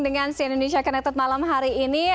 dengan si indonesia connected malam hari ini